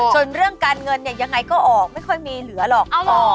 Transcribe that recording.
ส่วนเรื่องการเงินเนี่ยยังไงก็ออกไม่ค่อยมีเหลือหรอก